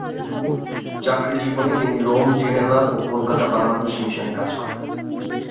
চাকরি জীবনে তিনি রোম, জেনেভা ও কলকাতা বাংলাদেশ মিশনে কাজ করেন।